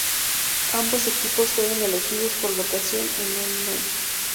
Ambos equipos fueron elegidos por votación on-line.